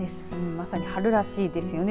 まさに春らしいですよね。